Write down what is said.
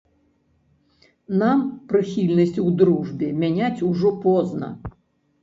Нам прыхільнасці ў дружбе мяняць ўжо позна.